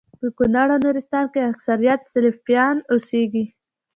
په کونړ او نورستان کي اکثريت سلفيان اوسيږي